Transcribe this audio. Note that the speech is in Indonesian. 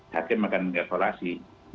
saya akan mengesolasi